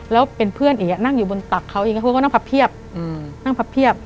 แล้วเป็นเพื่อนเอกนั่งอยู่บนตักเค้าเองเค้าก็นั่งพับเพียบนั่งพับเพียบ